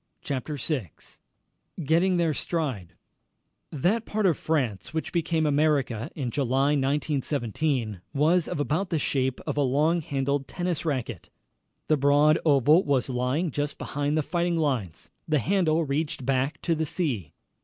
CHAPTER VI GETTING THEIR STRIDE That part of France which became America in July, 1917, was of about the shape of a long handled tennis racket. The broad oval was lying just behind the fighting lines. The handle reached back to the sea.